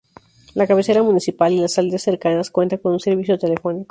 La cabecera municipal y las aldeas cercanas cuentan con servicio telefónico.